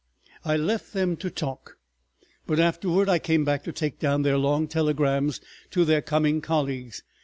I left them to talk, but afterward I came back to take down their long telegrams to their coming colleagues.